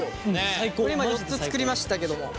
これ今４つ作りましたけども。